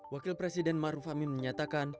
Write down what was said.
wakil presiden maruf amin menyatakan